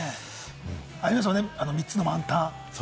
ありましたよね、３つの満タン。